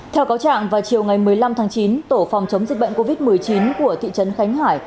theo cáo trạng vào chiều ngày một mươi năm tháng chín tổ phòng chống dịch bệnh covid một mươi chín của thị trấn khánh hải